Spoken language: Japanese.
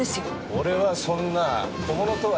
俺はそんな小物とは違う。